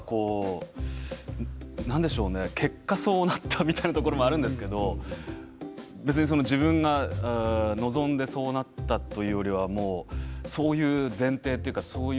なんでしょうね結果、こうなったというところもあるんですけれど別に自分が望んでそうなったというよりはそういう前提というか。